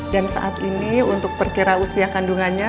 dan saat ini untuk perkira usia kandungannya